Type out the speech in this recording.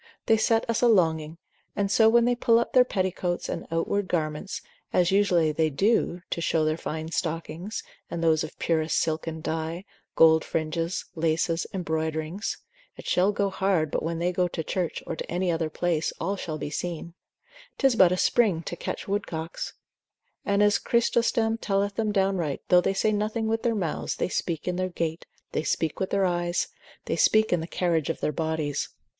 they set us a longing, and so when they pull up their petticoats, and outward garments, as usually they do to show their fine stockings, and those of purest silken dye, gold fringes, laces, embroiderings, (it shall go hard but when they go to church, or to any other place, all shall be seen) 'tis but a springe to catch woodcocks; and as Chrysostom telleth them downright, though they say nothing with their mouths, they speak in their gait, they speak with their eyes, they speak in the carriage of their bodies.